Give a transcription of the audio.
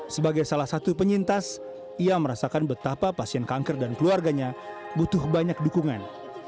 sebagai salah satu penyintas ia merasakan betapa pasien kanker dan keluarganya butuh banyak dukungan